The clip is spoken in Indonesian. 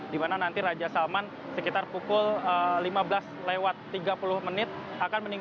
dimana nanti raja salman sekitar pukul lima belas tiga puluh akan meninggalkan istana bogor untuk menuju ke hotel rafles ini